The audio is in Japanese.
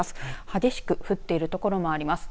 激しく降っている所もあります。